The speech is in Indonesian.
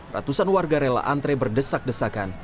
ratusan warga rela antre berdesak desakan